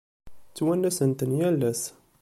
Ttwanasen-ten yal ass.